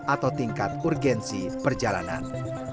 atau tingkat urgensi perjalanan